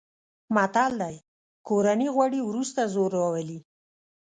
متل دی: کورني غوړي ورسته زور راولي.